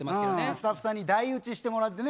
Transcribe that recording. スタッフさんに代打ちしてもらってね。